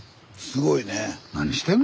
すごいね。